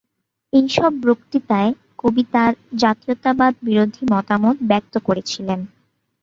এই সব বক্তৃতায় কবি তাঁর জাতীয়তাবাদ-বিরোধী মতামত ব্যক্ত করেছিলেন।